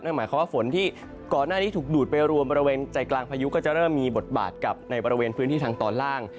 หมายความว่าฝนที่ก่อนหน้านี้ถูกดูดไปรวมบริเวณใจกลางพายุก็จะเริ่มมีบทบาทกับในบริเวณพื้นที่ทางตอนล่าง